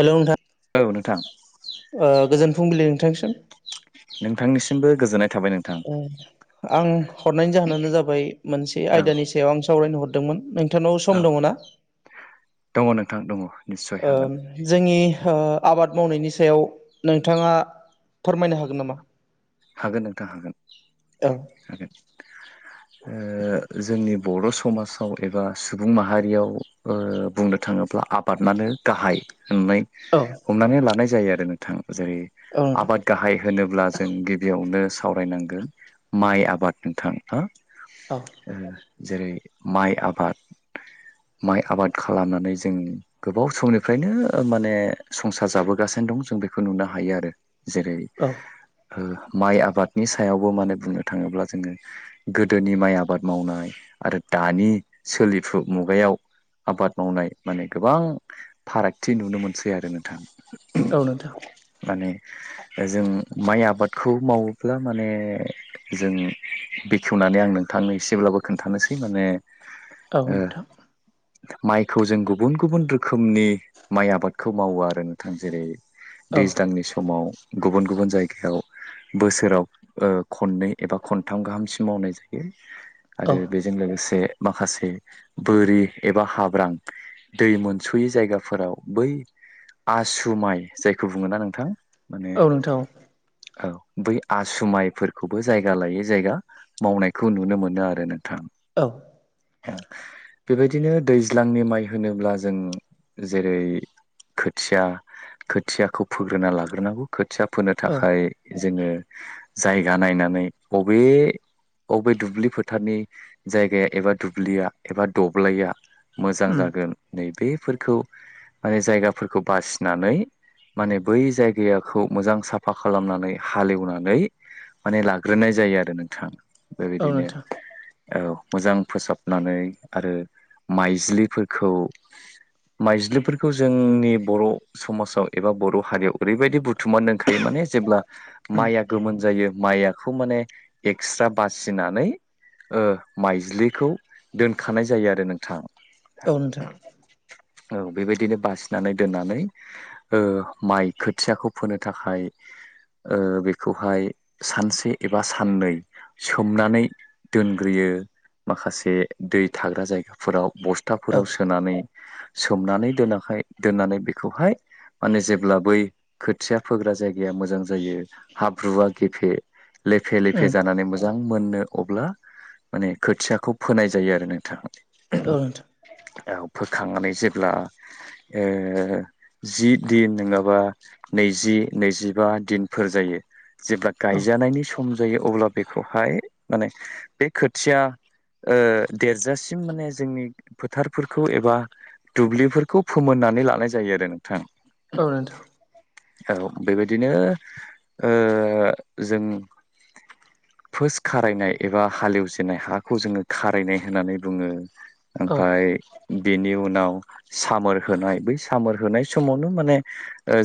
Hello नोंथां औ नोंथां ओ गोजोन फुंबिलि नोंथांनिसिम, नोंथांनिसिमबो गोजोननाय थाबाय नों ओ आं हरनायनि जाहोनानो जाबाय मोनसे औ आयदानि सायाव आं सावरायनो हरदोंमोन नों नोंथांनाव औ सम दङ ना? दङ नोंथां दङ निस्सय हागोन ओम जोंनि ओ आबाद मावनायनि सायाव नोंथाङा फोरमायनो हागोन नामा? हागोन नोंथां हागोन। औ हागोन। ओ जोंनि बर' समाजाव एबा सुबुं माहारियाव ओ बुंनो थाङोब्ला आब फादनानै गाहाय होननाय, औ हमनानै लानाय जायो आरो नोंथां जेरै औ नोंथां आबाद गाहाय होनोब्ला जों गि गिबियावनो सावरायनांगोन माइ आबाद नोंथां हो औ ओ जेरै माइ आबाद माइ आबाद खालामनानै जों गोबाव समनिफ्रायनो माने संसार जाबोगासिनो दं जों बेखौ नुनो हायो आरो जेरै औ ओ माइ आबादनि सायावबो माने बुंनो थाङोब्ला जोङो। गोदोनि माइ आबाद मावनाय आरो दानि सोलिफु मुगायाव। आबाद मावनाय माने गोबां फारागथि नुनो मोनसै आरो नोंथां। औ नोंथां माने जों माइ आबादखौ मावोब्ला माने। जों बेखेवनानै आं नोंथांनो एसेब्लाबो खोन्थानोसै माने। औ ओ नोंथां। माइखौ जों गुबुन गुबुन रोखोमनि माइ आबादखौ मावो आरो नोंथां जेरै औ दैज्लांनि समाव गुबुन गुबुन जायगायाव, बोसोराव ओ खननै एबा खनथाम गाहामसिम मावनाय जायो आरो औ बे बेजों लोगोसे माखासे बोरि एबा हाब्रां दै मोनस'यै जायगाफोराव बै आसुमाइ जायखौ बुङो ना नोंथां माने औ नोंथां औ औ बै आसुमाइफोरखौबो जायगा लायै जायगा। मावनायखौ नुनो मोनो आरो नोंथां। औ बेबायदिनो दैज्लांनि माइ होनोब्ला जों जेरै खोथिया खोथियाखौ फोग्रोना लाग्रोनांगौ खोथिया फोनो औ थाखाय। जोंङो जायगा नायनानै बबे अ बबे दुब्लि फोथारनि जायगाया एबा दुब्लिया एबा दब्लया मोजां उम जागोन नैबेफोरखौ माने जायगाफोरखौ बासिनानै माने बै जायगायाखौ मोजां साफा खालामनानै हालेवनानै माने लाग्रोनाय जायो आरो नोंथां औ बेबायदिनो नोंथां औ मोजां फोसाबनानै आरो माइज्लिफोरखौ माइज्लिफोरखौ जोंनि बर' समाजाव एबा बर' हारियाव ओरैबायदि बुथ थुमार दोनखायो माने जेब्ला माइया गोमोन जायो माइआखौ माने एक्सट्रा बासिनानै ओ माइज्लिखौ दोनखानाय जायो आरो नोंथां औ नोंथां औ बेबायदिनो बासिनानै दोननानै ओ माइ खोथियाखौ फोनो थाखाय ओ बेखौहाय सानसे एबा साननै सोमनानै दोनग्रोयो माखासे दै थाग्रा जायगाफोराव औ बस्थाफोराव सोनानै सोमनानै दोनाखै दोननानै बेखौहाय माने जेब्ला बै खोथिया फोग्रा जायगाया मोजां जायो हाब्रुआ गेफे लेफे लेफे उम जानानै मोजां मोजां मोननो अब्ला माने खोथियाखौ फोनाय जायो आरो नोंथाङा। ओ नोंथां फोखांनानै जेब्ला जि दिन नङाबा नैजि नैजिबा दिनफोर जायो जेब्ला औ गायजानायनि सम खम जायो अब्ला बेखौहाय माने बे खोथिया ओ देरजासिम माने जोंनि फोथारफोरखौ एबा दुब्लिफोरखौ फोमोननानै लानाय जायो आरो नोंथां। औ नोंथां औ बेबायदिनो ओ जों [inaudible] फुस खारायनाय एबा हालेवजेननाय हाखौ जोंङो खारायनाय होननानै बुङो। औ ओमफाय बेनि उनाव सामोर होनाय बै सामार होनाय समावनो माने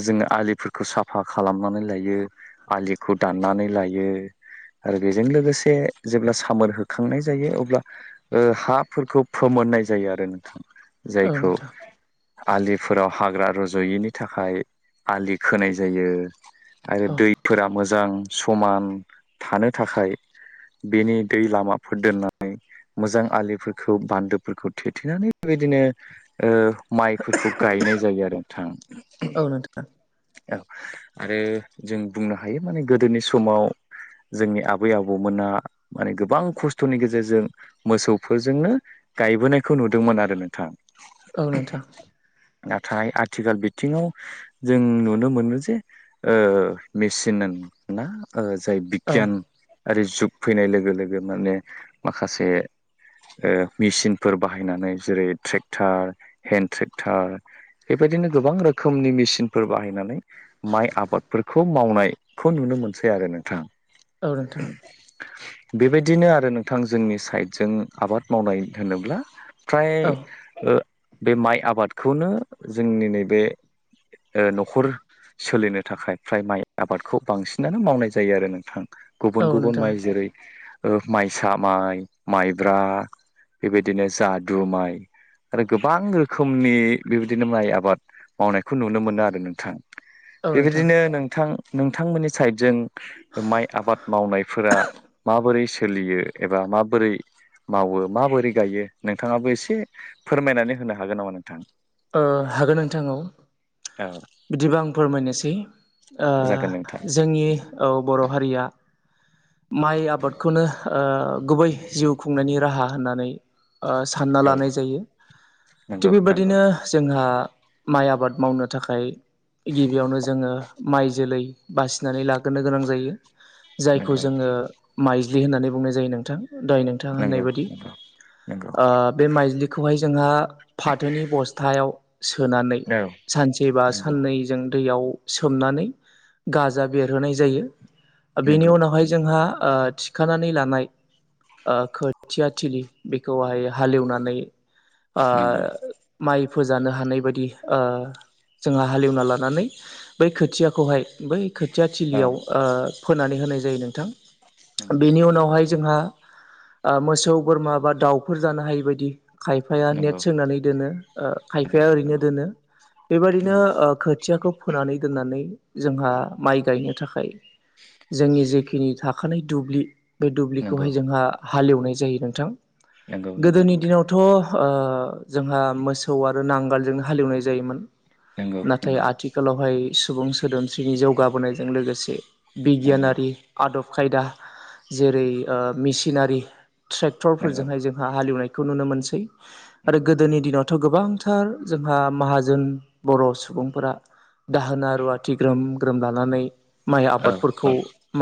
जोंङो आलिफोरखौ साफा खालामनानै लायो आलिखौ दाननानै लायो। आरो बेजों लोगोसे जेब्ला सामोर होखांनाय जायो अब्ला ओ हाफोरखौ फोमोननाय जायो आरो नोंथां औ जायखौ नोंथां आलिफोराव हाग्रा रज'यैनि थाखाय आलि खोनाय जायो। औ आरो दैफोरा मोजां समान थानो थाखाय बेनि दै लामाफोर दोननानै मोजां आलिफोरखौ बान्दोफोरखौ थेथेनानै बेबायदिनो माइफोरखौ गायनाय जायो आरो नोंथां। औ आरो जों बुंनो हायो माने गोदोनि समाव जोंनि आबै आबौमोना माने गोबां खस्थ'नि गेजेरजों मोसौफोरजोंनो गायबोनायखौ नुदोंमोन आरो नोंथां औ नोंथां नाथाय आथिखाल बिथिङाव जों नुनो मोनो जे ओ मेसिन ना ओ जाय औ बिगियान आरि जुग फैनाय लोगो-लोगो माने माखासे ओ मेसिनफोर बाहायनानै जेरै ट्रेक्टार हेन्दड ट्रेक्टार बेबायदिनो गोबां रोखोमनि मेसिनफोर बाहायनानै माइ आबादफोरखौ मावनायखौ नुनो मोनसै आरो नोंथां औ नोंथां बेबायदिनो आरो नोंथां जोंनि साइडजों आबाद मावनाय होनोब्ला औ फ्राय ओ बे माइ आबादखौनो जोंनि नैबे ओ न'खर सोलिनो थाखाय फ्राय माइ आबादखौ बांसिनानो मावनाय जायो आरो नोंथां औ गुबुन-गुबुन नोंथां माइ जेरै माइसा माइ माइब्रा बेबायदिनो जादु माइ आरो गोबां रोखोमनि बेबायदिनो माइ आबाद मावनायखौ नुनो मोनो आरो नोंथां औ नोंथां बेबायदिनो नोंथां नोंथांमोननि साइडजों माइ आबाद मावनायफोरा माबोरै सोलियो एबा माबोरै मावो माबोरै गायो नोंथाङाबो एसे फोरमायनानै होनो हागोन नामा नोंथां हागोन नोंथां औ औ बिदिबा आं फोरमायनोसै ओ जागोन नोंथां जोंनि औ बर' हारिया माइ आबाद बेखौनो ओ गुबै जिउ खुंनायनि राहा होननानै ओ सानना लानाय जायो नोंगौ बिदिनो जोंहा माइ आबाद मावनो थाखाय गिबियावनो जोङो माइ जोलै बासिनानै लाग्रोनो गोनां जायो जायखौ नंगौ जोङो माइज्लि होननानै बुंनाय जायो नोंथां दोहाय नों थाङा होननाय नंगौ बायदि नंगौ नंगौ ओ बे माइज्लिखौहाय जोंहा फाथोनि बस्थायाव सोनानै औ सानसे बा नंगौ साननै जों दैयाव सोमनानै गाजा बेरहोनाय जायो बेनि नंगौ उनावहाय जोंहा थि खानानै लानाय खोथिया थिलि बेखौहाय हालेवनानै ओ नंगौ माइ फोजानो हानाय बायदि ओ जोंहा हालेवना लानानै बै खोथियाखौहाय बै खोथिया औ थिलियाव फोनानै होनाय जायो नंगौ नोंथां बेनि उनावहाय जोंहा ओ मोसौ बोरमा बा दाउफोर जानो हायि बदि खायफाया नंगौ नेट सोंनानै दोनो ओ खायफाया नंगौ ओरैनो दोनो बेबायदिनो नंगौ ओ खोथियाखौ फोनानै दोननानै जोंहा माइ गायनो थाखाय जोंनि जेखिनि थाखानाय दुब्लि बे नंगौ दुब्लिखौहाय जोंहा हालेवनाय जायो नोंथां नंगौ नंगौ गोदोनि नोंथां दिनावथ' ओ जोंहा मो सौ आरो नांगालजोंनो हालेवनाय जायोमोन नंगौ नाथाय नंगौ आथिखालाव बेहाय सुबुं सोदोमस्रिनि जौगाबोनायजों लोगोसे नंगौ बिगियानारि आदब खायदा जेरै ओ मेसिनारि ट्रेक्टरफोरजोंहाय जों हां हालेवनायखौ नुनो मोनसै आरो नंगौ गोदोनि दिनाव थ' गोबांथार जोंहा माहाजोन बर' सुबुंफोरा दाहोना रुवाथि ग्रोम-ग्रोम लानानै माइ औ आबादफोरखौ औ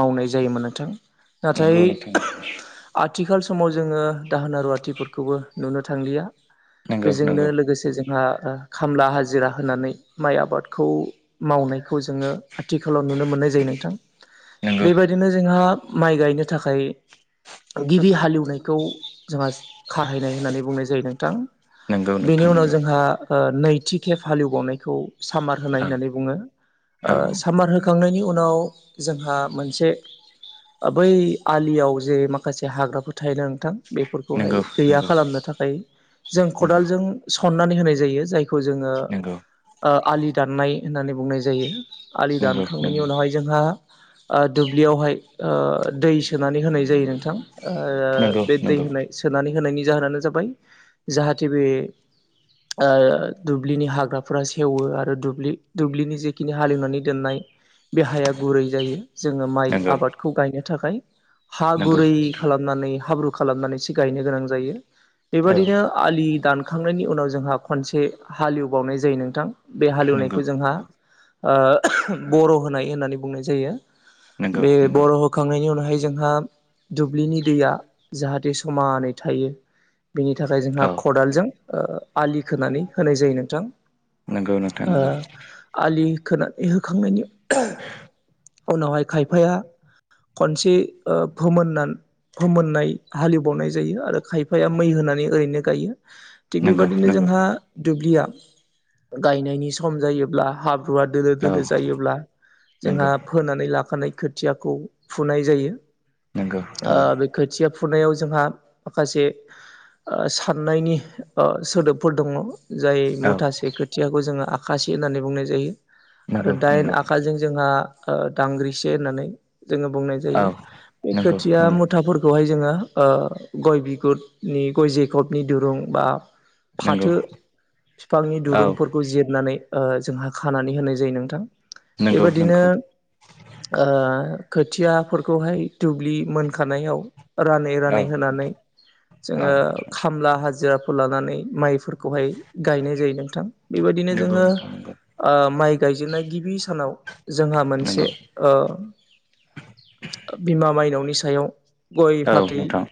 मावनाय जायोमोन नोंथां नंगौ नाथाय नोंथां आथिखाल समाव जोङो दाहोन रुवाथिफोरखौबो नुनो थांलिया नंगौ बेजोंनो नंगौ लोगोसे जोंहा ओ खामला हाजिरा होनानै माइ आबादखौ मावनायखौ जोङो आथिखालाव नुनो मोननाय जायो नोंथां नंगौ बेबायदिनो जोंहा माइ गायनो थाखाय गिबि हालेवनायखौ जोंहा खाहैनाय होननानै बुंनाय जायो नोंथां नंगौ बेनि नोंथां उनाव नंगौ जोंहा नैथि खेब हालेवबावनायखौ सामार होनाय औ होननानै बुङो। औ सामार होखांनायनि उनाव जोंहा मोनसे बै आलियाव जे माखासे हाग्राफोर थायोना नोंथां। बेफोरखौहाय नंगौ गैया नंगौ खालामनो थाखाय जों नंगौ खदालजों सननानै होनाय जायो जायखौ जोङो नंगौ आलि दाननाय होननानै बुंनाय जायो आलि नंगौ दानखांनायनि उनावहाय जोंहा दुब्लियावहाय दै सोनानै होनाय जायो नोंथां। नंगौ बे दै नंगौ होनाय सोनानै होनायनि जाहोनानो जाबाय जाहाथे बे दुब्लिनि हाग्राफोरा सेवो आरो दुब्लिनि जेखिनि हालेवनानै दोननाय बे हाया गुरै जायो जोङो माइ नंगौ नंगौ आबादखौ गायनो थाखाय हा नंगौ गुरै खालामो नानै हाब्रु खालामनानैसो गायनो गोनां जायो औ बेबायदिनो आलि दानखांनायनि उनाव जोंहा खनसे हालेवबावनाय जायो नोंथां बे नंगौ हालेवनायखौ जोंहा बर' होनाय होननानै बुंनाय जायो नंगौ बे नंगौ बर' हो- होखांनायनि उनावहाय जोंहा दुब्लिनि दैया जाहाथे समानै थायो। बिनि थाखाय जोंहा औ खदालजों आलि खोनानै होनाय जायो नोंथां। नंगौ नोंथां आलि खोनानै होखांनायनि उनाव उनावहाय खायफाया खनसे फोमोननानै। फोमोननाय हालेवबावनाय जायो आरो खायफाया मै होनानै ओरैनो। गायो थिग नंगौ बेबादिनो नंगौ नंगौ जोंहा दुब्लिया गायनायनि सम जायोब्ला हाब्रु हाब्रुआ दोलो औ दोलो जायोब्ला। जोंहा नंगौ फोनानै लाखानाय खोथियाखौ फुनाय जायो नंगौ नंगौ बे खोथिया फुनायाव जोंहा माखासे। साननायनि सोदोबफोर दङ जाय औ मुथासे खो खोथियाखौ जोङो आखासे होननानै बुंनाय जायो आरो नंगौ दाइन नंगौ आखा जोंहा दांग्रिसे होननानै जोङो बुंनाय। औ जायो बे नंगौ नंगौ खोथिया मुथाफोरखौहाय जोङो गय बिगुरनि गय जेखबनि दुरुं बा नंगौ फाथो बिफांनि औ दुरुंफोरखौ जिरनानै जोंहा खानानै होनाय जायो नोंथां नंगौ बेबादिनो नंगौ खोथियाफोरखौहाय दुब्लि मोनखानायाव। रानै औ रानै होनानै जोङो औ खामला हाजिराफोर लानानै माइफोरखौ खौहाय गायनाय जायो नोंथां बे बायदिनो नंगौ जोङो नोंथां नंगौ माइ गायजेननाय गिबि सानाव जोंहा नंगौ मोनसे बिमा माइनावनि सायाव गय औ फाथै नोंथां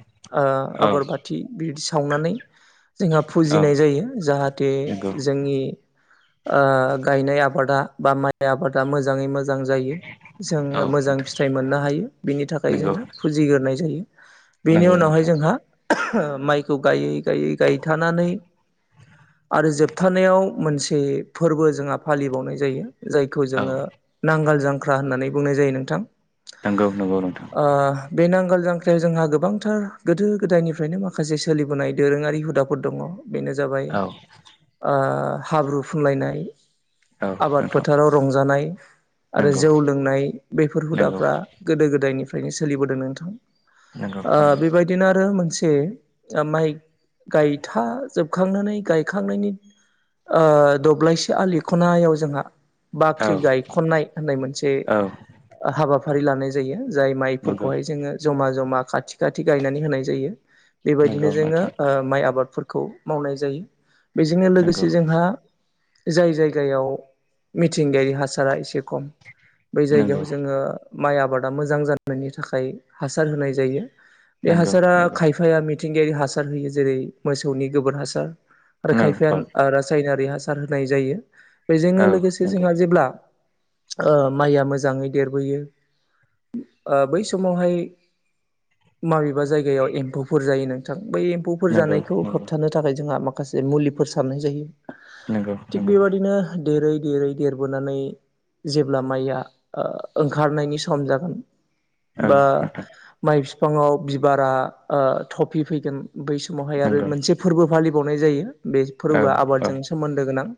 औ आगर बाथि बिदि सावनानै जोंहा औ फुजिनाय जायो जाहाथे नंगौ जोंनि गायनाय आबादा बा माइ आबादा मोजाङै मोजां जायो। जोङो औ मोजां नोंथां फिथाइ मोननो हायो बिनि थाखाय नंगौ जोङो फुजिग्रोनाय जायो। बेनि नंगौ उनावहाय नोंथां जोंहा माइखौ गायै गायै गायथानानै। आरो जोबथारनायाव मोनसे फोरबो जोंहा फालिबावनाय जायो। जायखौ औ जोङो नांगोल जांख्रा होननानै बुंनाय जायो नोंथां। नंगौ नंगौ नोंथां। ओ बे नांगोल जांख्रायाव जोंहा गोबांथार गोदो गोदायनिफ्रायनो माखासे सोलिबोनाय दोरोङारि हुदाफोर दङ बेनो जाबाय। औ हाब्रु फुनलायनाय औ आबाद नोंथां फोथाराव रंजानाय आरो नंगौ जौ लोंनाय बेफोर नंगौ हुदाफ्रा गोदो गोदायनिफ्रायनो सोलिबोदों नोंथां। नंगौ आ नंगौ बेबायदिनो आरो मोनसे जा‌ माइ गायथाजोबखांनानै गायखांनायनि ओ दब्लायसे आलि खनायाव जोंहा औ बाख्रि गायखननाय होननाय मोनसे औ हाबा फारि लानाय जायो जाय नंगौ माइफोरखौहाय जोङो जमा जमा खाथि खाथि गायनानै होनाय जायो। बेबायदिनो नंगौ जोङो नोंथां ओ- माइ आबादफोरखौ मावनाय जायो बेजोंनो नंगौ लोगोसे जोंहा जाय जायगायाव मिथिंगायारि हासारा एसे खम बै नंगौ जायगायाव जोङो माइ आबादा मोजां जानायनि थाखाय हासार होनाय जायो बे नंगौ हासारा नंगौ खायफाया मिरि ह-हो जेरै मोसौनि गोबोर हासार आरो खायफ नंगौ आ रा रासायनारि हासार होनाय जायो औ बेजोंनो लोगोसे नंगौ जोंहा जेब्ला ओ माइया मोजाङै देरबोयो ओ बै समावहाय माबेबा जायगायाव एम्फौफोर जायोनो नोंथां बै एम्फौफोर जानायखौ नंगौ होबथानो थाखाय जोंहा माखासे मुलिफोर सारनाय जायो। नंगौ नंगौ थिग नंगौ बेबादिनो देरै देरै देरबोनानै जेब्ला माइया ओ ओंखारनायनि सम जागोन औ बा नोंथां माइ बिफाङाव बिबारा ओ- थफि फैगोन बै समावहाय आरो नंगौ मोनसे फोरबो फालिबावनाय जायो बे औ फोरबोआ औ आबादजों सोमोन्दो गोनां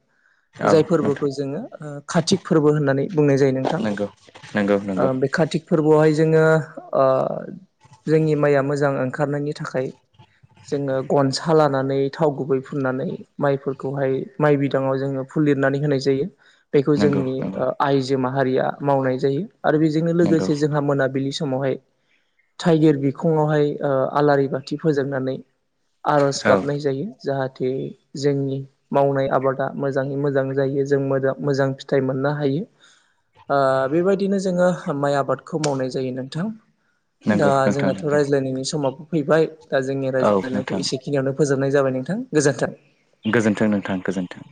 औ जाय नोंथां फोरबोखौ जोङो ओ कातिक फोरबो होननानै बुंनाय जायो नोंथां। नंगौ नंगौ ओ नंगौ। बे कातिक फोरबोआवहाय जोङो ओ- जोंनि माइया मोजां ओंखारनायनि थाखाय जोङो गनसा लानानै थाव गुबै फुननानै माइफोरखौहाय माइ बिदाङाव जोङो फुलिरनानै होनाय जायो। बेखौ नंगौ जोंनि नंगौ आइजो माहारिया मावनाय जायो आरो बेजोंनो नंगौ लोगोसे जोंहा मोनाबिलि समाव समावहाय टाइगिर बिखङावहाय ओ- आलारि बाथि फोजोंनानै आर'ज औ गाबनाय जायो जाहाथे जोंनि मावनाय आबादा मोजाङै मोजां जायो जों मो मोजां फिथाइ मोननो हायो ओ- बेबायदिनो जोङो माइ आबादखौ मावनाय जायो नोंथां। दा नंगौ नोंथां जोंनाथ' नंगौ रायज्लायनायनि समाबो फैबाय दा जोंनि औ नोंथां रायज्लायनायखौ एसे खिनियावनो फोजोबनाय जाबाय नोंथां गोजोन्थों। गोजोन्थों नोंथां गोजोन्थों।